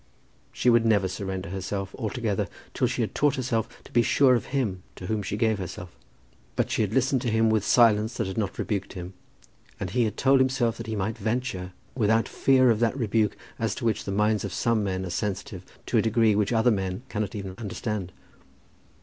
She would never surrender herself altogether till she had taught herself to be sure of him to whom she gave herself. But she had listened to him with silence that had not rebuked him, and he had told himself that he might venture, without fear of that rebuke as to which the minds of some men are sensitive to a degree which other men cannot even understand.